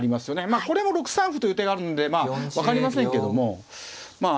まあこれも６三歩という手があるんでまあ分かりませんけどもまあ